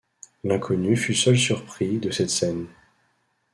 L’inconnu fut seul surpris de cette scène.